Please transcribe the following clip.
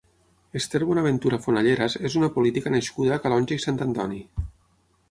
Ester Bonaventura Fonalleras és una política nascuda a Calonge i Sant Antoni.